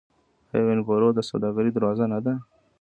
آیا وینکوور د سوداګرۍ دروازه نه ده؟